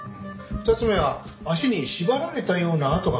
２つ目は足に縛られたような痕が残っていた。